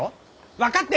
分かってる？